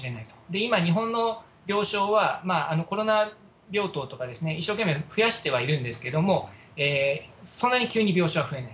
いま日本の病床は、コロナ病棟とか一生懸命増やしてはいるんですけども、そんなに急に病床は増えない。